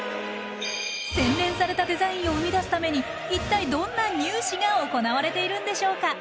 洗練されたデザインを生み出すために一体どんなニュー試が行われているんでしょうか？